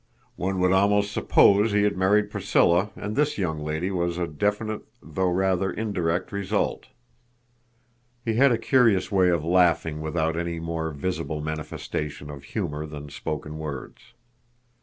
One would almost suppose he had married Priscilla and this young lady was a definite though rather indirect result." He had a curious way of laughing without any more visible manifestation of humor than spoken words.